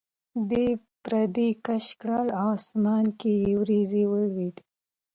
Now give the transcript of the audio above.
ده پرده کش کړه او اسمان کې یې وریځې ولیدې.